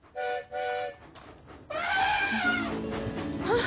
ああ！